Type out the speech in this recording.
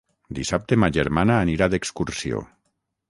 Dissabte ma germana anirà d'excursió.